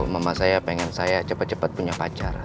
mama saya pengen saya cepet cepet punya pacar